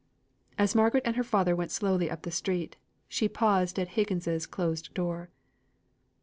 As Margaret and her father went slowly up the street, she paused at Higgins's closed door.